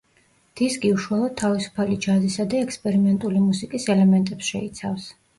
დისკი უშუალოდ თავისუფალი ჯაზისა და ექსპერიმენტული მუსიკის ელემენტებს შეიცავს.